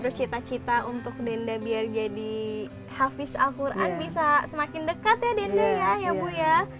terus cita cita untuk danda biar jadi hafiz al quran bisa semakin dekat ya danda ya ibu ya